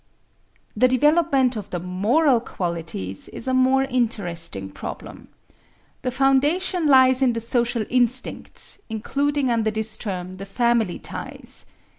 The development of the moral qualities is a more interesting problem. The foundation lies in the social instincts, including under this term the family ties.